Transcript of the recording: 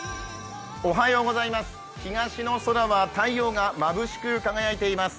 東の空は太陽がまぶしく輝いています。